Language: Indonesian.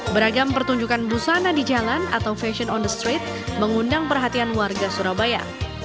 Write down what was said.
beragam pertunjukan busana di jalan atau fashion on the street mengundang perhatian warga surabaya